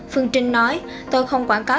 phương trình nói tôi không quảng cáo